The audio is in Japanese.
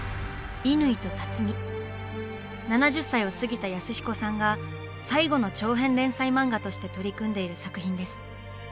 ７０歳を過ぎた安彦さんが「最後の長編連載漫画」として取り組んでいる作品です。